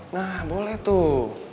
nah boleh tuh